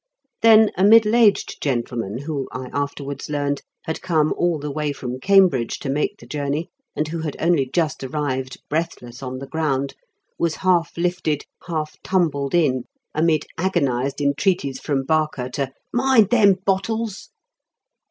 Then a middle aged gentleman, who, I afterwards learned, had come all the way from Cambridge to make the journey, and who had only just arrived breathless on the ground, was half lifted, half tumbled in, amid agonised entreaties from Barker to "mind them bottles."